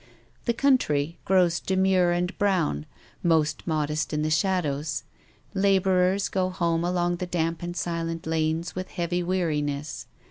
The country grows demure and brown, most modest in the shadows. Labourers go home along the damp and silent lanes with heavy weariness.